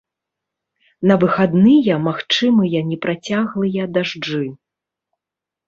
На выхадныя магчымыя непрацяглыя дажджы.